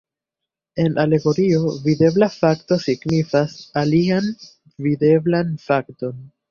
En alegorio, videbla fakto signifas alian videblan fakton.